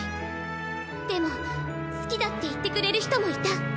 でも好きだって言ってくれる人もいた。